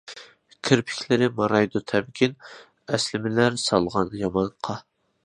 كىرپىكلىرى مارايدۇ تەمكىن، ئەسلىمىلەر سالغان ياماقتا.